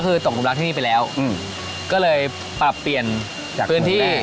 ก็คือตกตกรับรักที่นี่ไปแล้วอืมก็เลยปรับเปลี่ยนจากเมืองแร่พื้นที่